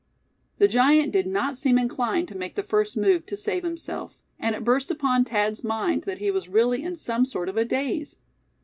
The giant did not seem inclined to make the first move to save himself; and it burst upon Thad's mind that he was really in some sort of a daze.